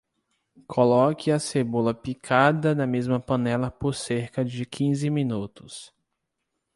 Coloque a cebola picada na mesma panela por cerca de quinze minutos.